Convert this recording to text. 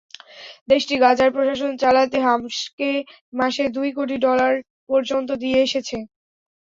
দেশটি গাজার প্রশাসন চালাতে হামাসকে মাসে দুই কোটি ডলার পর্যন্ত দিয়ে এসেছে।